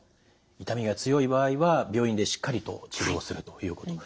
痛みが強い場合は病院でしっかりと治療するということ。